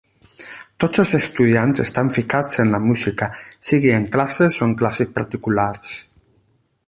Tots els estudiants estan ficats en la música, sigui en classes o classes particulars.